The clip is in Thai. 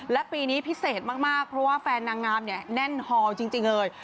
และปีนี้พิเศษมากเพราะว่าแฟนนางงามเนี่ยแน่นฮอลจริงเลย